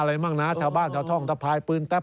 อะไรบ้างนะชาวบ้านชาวช่องสะพายปืนแป๊บ